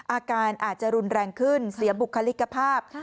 อาการอาจจะรุนแรงขึ้นเสียบุคลิกภาพ